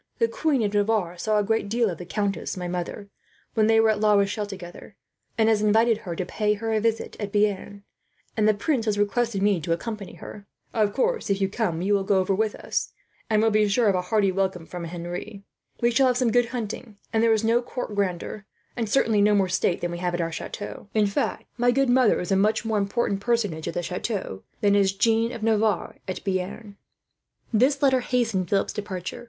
"The Queen of Navarre saw a great deal of the countess, my mother, when they were at La Rochelle together; and has invited her to pay her a visit at Bearn, and the prince has requested me to accompany her. Of course if you come over you will go with us, and will be sure of a hearty welcome from Henry. We shall have some good hunting, and there is no court grandeur, and certainly no more state than we have at our chateau. In fact, my good mother is a much more important personage, there, than is Jeanne of Navarre at Bearn." This letter hastened Philip's departure.